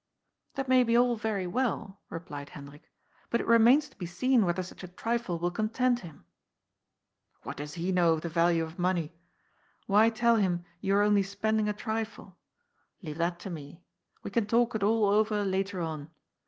''" That may be all very well," replied Hendrik, " bat it remains to be seen whether such a trifle will content him." " What does he know of the value of money ? Why tell him you are only spending a trifle ? Leave that to me. We can talk it all over later on.